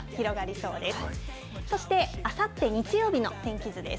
そしてあさって日曜日の天気図です。